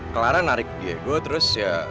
clara narik diego terus ya